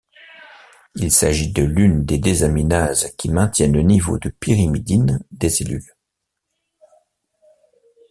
Il s'agit de l'une des désaminases qui maintiennent le niveau de pyrimidine des cellules.